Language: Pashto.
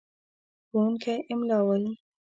ښوونکی املا وايي.